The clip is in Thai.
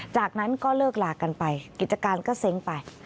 จากนั้นก็เลิกลากันไปกิจการก็เซ้งไป